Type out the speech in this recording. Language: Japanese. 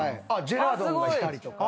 ジェラードンがいたりとか。